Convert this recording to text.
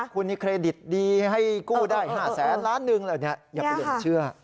คุณมีเครดิตดีให้กู้ได้๕แสนล้านหนึ่งเหล่านี้อย่าไปหลงเชื่อ